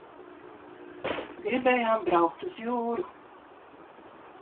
Giribējām braukt uz jūru.